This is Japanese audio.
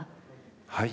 はい。